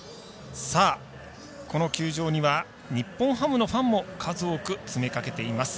この球場には日本ハムのファンも数多く詰めかけています。